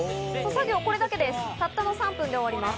作業はこれだけで、たったの３分で終わります。